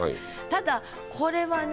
ただこれはね